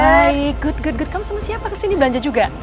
baik good good good kamu sama siapa kesini belanja juga